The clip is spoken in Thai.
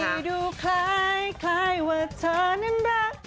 ดูคล้ายว่าเธอนั้นรัก